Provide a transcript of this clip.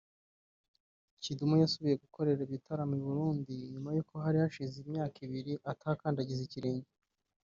Kidum yasubiye gukorera ibitaramo i Burundi nyuma y’uko hari hashize imyaka ibiri atahakandagiza ikirenge